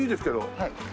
はい。